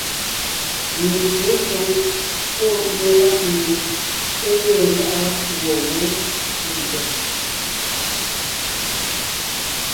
Meÿǒsoŋ pɔ́ melá’ mie é ge lá’a gwɔ̂ wó fʉʼ ntsèm :